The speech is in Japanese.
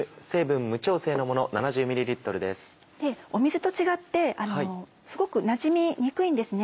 水と違ってすごくなじみにくいんですね。